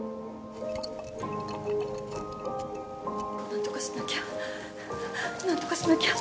何とかしなきゃ何とかしなきゃ。